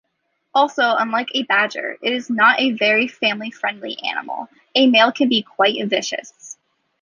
Also, unlike a badger, it is not a very family-friendly animal, a male can be quite vicious.